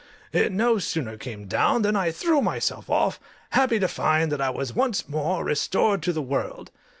It no sooner came down than I threw myself off, happy to find that I was once more restored to the world.